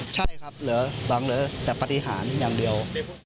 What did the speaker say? ใช่ครับเหลือแต่ปฏิหารณ์อย่างเดียว